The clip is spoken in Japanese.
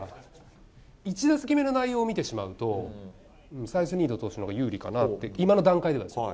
１打席目の内容を見てしまうと、サイスニード投手のほうが有利かなって、今の段階ではですよ。